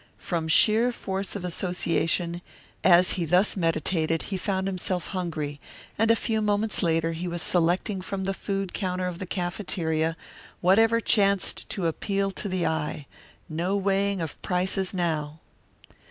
From sheer force of association, as he thus meditated, he found himself hungry, and a few moments later he was selecting from the food counter of the cafeteria whatever chanced to appeal to the eye no weighing of prices now.